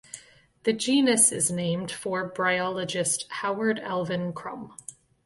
The genus is named for bryologist Howard Alvin Crum.